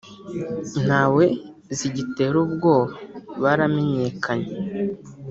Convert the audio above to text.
ntawe zigitera ubwoba baramenyekanye